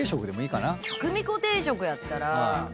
來未子定食やったら。